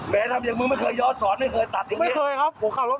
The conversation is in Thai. แม้ทำอย่างมึงไม่เคยยอดสอนไม่เคยตัดอย่างนี้